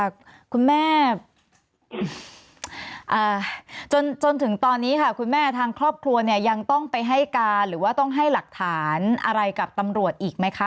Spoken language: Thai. คุณแม่จนจนถึงตอนนี้ค่ะคุณแม่ทางครอบครัวเนี่ยยังต้องไปให้การหรือว่าต้องให้หลักฐานอะไรกับตำรวจอีกไหมคะ